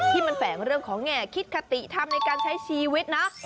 ที่มันแฝงเรื่องของแง่คิดคติธรรมในการใช้ชีวิตนะ